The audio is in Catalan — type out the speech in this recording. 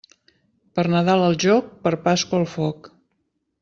Si per Nadal al joc, per Pasqua al foc.